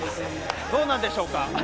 どうなんでしょうか？